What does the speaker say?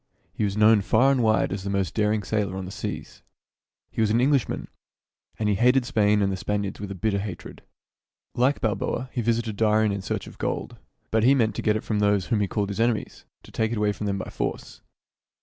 He was known far and wide as the most daring sailor on the seas. He was an Englishman, and he hated Spain and the Spaniards with a bitter hatred. Like THIRTY MORE FAM. STO. — 2 1 7 1 8 THIRTY MORE FAMOUS STORIES Balboa, he visited Darien in search of gold ; but he meant to get it from those whom he called his enemies — to take it away from them by force.